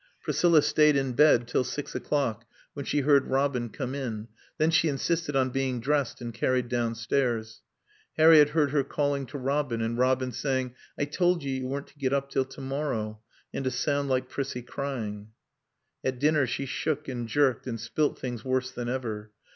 Priscilla stayed in bed till six o'clock, when she heard Robin come in; then she insisted on being dressed and carried downstairs. Harriett heard her calling to Robin, and Robin saying, "I told you you weren't to get up till to morrow," and a sound like Prissie crying. At dinner she shook and jerked and spilt things worse than ever.